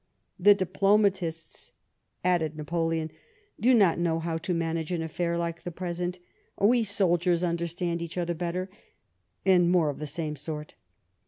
" The diplomatists," added Napoleon, " do not know how to manage an affair like the present ; we soldiers understand each other better," and more of the same sort.